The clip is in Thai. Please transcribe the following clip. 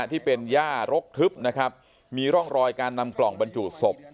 ที่เป็นย่ารกทึบนะครับมีร่องรอยการนำกล่องบรรจุศพ